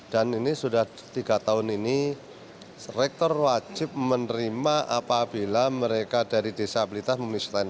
dan ini sudah tiga tahun ini rektor wajib menerima apabila mereka dari disabilitas memisahkan